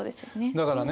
だからね